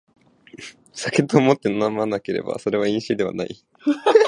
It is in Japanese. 酒と思って飲まなければそれは飲酒ではない